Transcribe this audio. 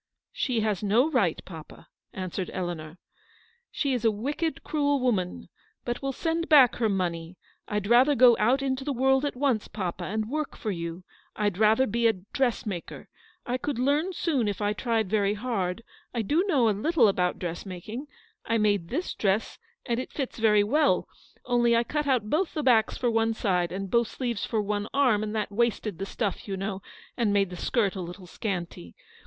" She has no right, papa," answered Eleanor. " She is a wicked, cruel woman. But we'll send back her money. I'd rather go out into the world at once, papa, and work for you : I'd rather be a dressmaker. I could learn soon if I tried very hard. I do know a little about dressmaking. THE ENTRESOL IN THE RUE DE l'aRCHEVeQUE. 35 I made this dress, and it fits very well, only I cut out both the backs for one side, and both sleeves for one arm, and that wasted the stuff, you know, and made the skirt a little scanty.